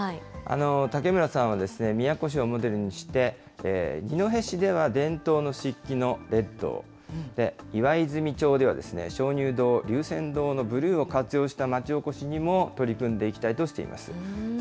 竹村さんは宮古市をモデルにして、二戸市では伝統の漆器のレッドを、岩泉町では鍾乳洞、龍泉洞のブルーを活用した町おこしにも取り組んでいきたいとしています。